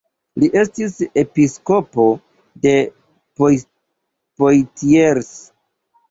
Li estis episkopo de Poitiers.